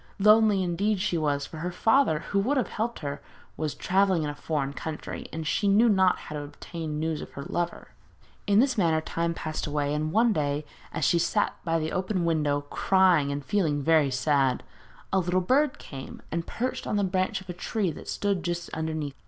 Lonely, indeed, she was, for her father, who would have helped her, was travelling in a foreign country, and she knew not how to obtain news of her lover. In this manner time passed away, and one day, as she sat by the open window crying and feeling very sad, a little bird came and perched on the branch of a tree that stood just underneath.